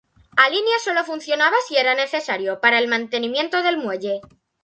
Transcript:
A línea solo funcionaba si era necesario, para el mantenimiento del muelle.